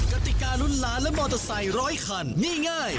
กติการุ้นล้านและมอเตอร์ไซค์ร้อยคันนี่ง่าย